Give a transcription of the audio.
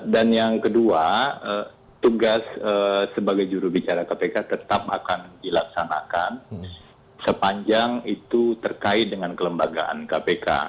dan yang kedua tugas sebagai jurubicara kpk tetap akan dilaksanakan sepanjang itu terkait dengan kelembagaan kpk